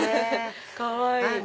かわいい！